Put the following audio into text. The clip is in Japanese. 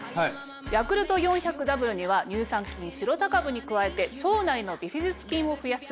「ヤクルト４００Ｗ」には乳酸菌シロタ株に加えて腸内のビフィズス菌を増やす